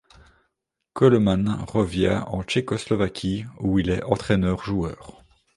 Koloman revient en Tchécoslovaquie où il est entraîneur-joueur.